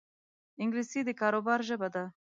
انګلیسي د کاروبار ژبه ده